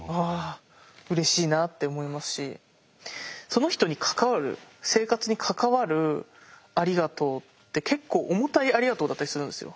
その人に関わる生活に関わる「ありがとう」って結構重たい「ありがとう」だったりするんですよ。